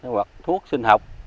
hoặc thuốc sinh học